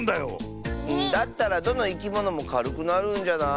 だったらどのいきものもかるくなるんじゃない？